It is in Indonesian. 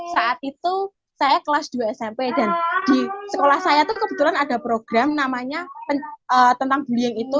saat itu saya kelas dua smp dan di sekolah saya tuh kebetulan ada program namanya tentang bullying itu